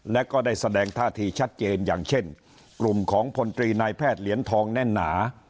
และก็ได้แสดงท่าทีชัดเจนอย่างเช่นกลุ่มของพลตรีนายแพทย์เหรียญทองแน่นหนา